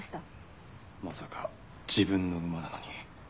まさか自分の馬なのに。